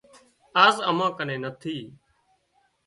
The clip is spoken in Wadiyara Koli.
آز امان ڪنين نٿي